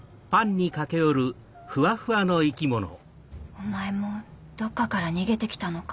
お前もどっかから逃げて来たのか？